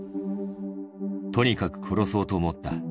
とにかく殺そうと思った。